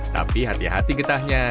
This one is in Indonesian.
tapi hati hati getahnya